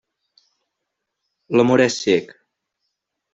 L'amor és cec.